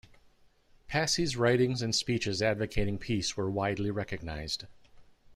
Passy's writings and speeches advocating peace were widely recognized.